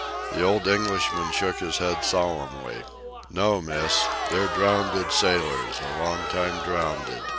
The old Englishman shook his head solemnly. "No, Miss. They're drownded sailors a long time drownded.